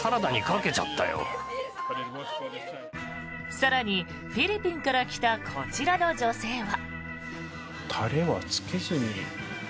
更に、フィリピンから来たこちらの女性は。